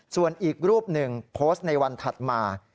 ส่วนอีกรูปหนึ่งโพสต์ในวันถัดมา